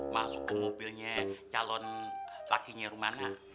masuk ke mobilnya calon lakinya rumah anak